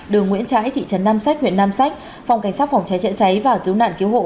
đường nguyễn trãi thị trấn nam sách huyện nam sách phòng cảnh sát phòng cháy chữa cháy và cứu nạn cứu hộ